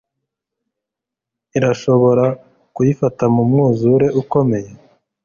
Irashobora kuyifata mu mwuzure ukomeye